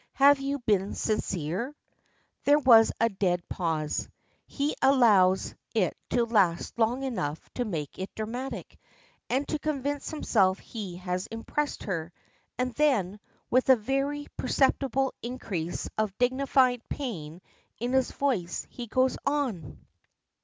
Have you been sincere?" There is a dead pause. He allows it to last long enough to make it dramatic, and to convince himself he has impressed her, and then, with a very perceptible increase of dignified pain in his voice, he goes on.